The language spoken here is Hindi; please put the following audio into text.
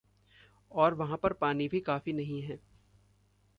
और वहाँ पर पानी भी काफ़ी नहीं है।